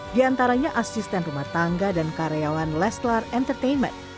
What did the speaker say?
diantaranya asisten rumah tangga dan karyawan leslar entertainment